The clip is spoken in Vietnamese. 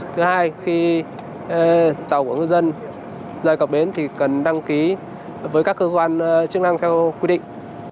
thứ hai khi tàu của ngư dân rời cập bến thì cần đăng ký với các cơ quan chức năng theo quy định